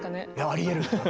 ありえるよ。